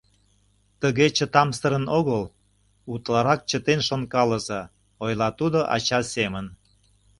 — Тыге чытамсырын огыл, утларак чытен шонкалыза, — ойла тудо ача семын.